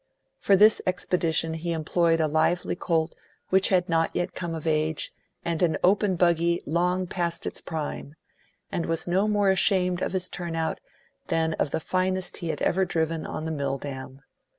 For this expedition he employed a lively colt which had not yet come of age, and an open buggy long past its prime, and was no more ashamed of his turnout than of the finest he had ever driven on the Milldam.